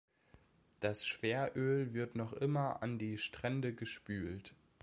Das Schweröl wird noch immer an die Strände gespült.